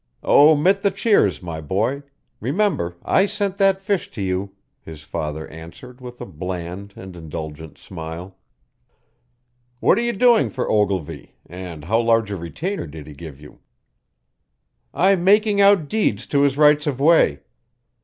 "Omit the cheers, my boy. Remember I sent that fish to you," his father answered with a bland and indulgent smile. "What are you doing for Ogilvy, and how large a retainer did he give you?" "I'm making out deeds to his rights of way.